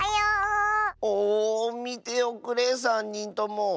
おおみておくれさんにんとも。